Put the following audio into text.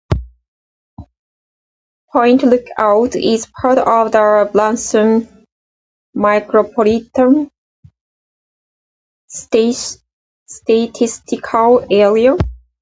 Point Lookout is part of the Branson Micropolitan Statistical Area.